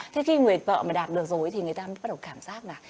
thế khi người vợ mà đạt được rồi thì người ta mới bắt đầu cảm giác là